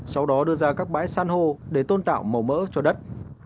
sau đó đưa ra các bãi san hô để tôn tạo màu mỡ cho đất